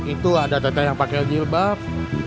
itu ada tete yang pake jilbab